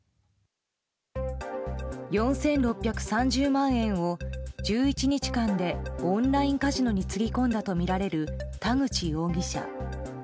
４６３０万円を１１日間でオンラインカジノにつぎ込んだとみられる田口容疑者。